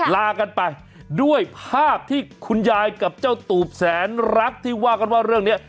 ลากันไปด้วยภาพที่คุณยายกับเจ้าตูบแสนรักที่ว่ากันว่าเรื่องนี้